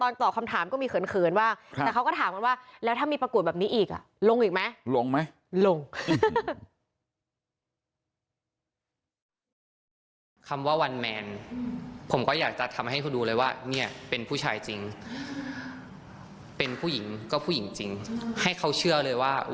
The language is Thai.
นี่เค้าเข้าเสียงผู้ชายนะพี่หุย